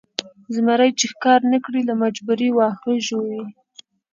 زمری چې ښکار نه کړي له مجبورۍ واښه ژوي.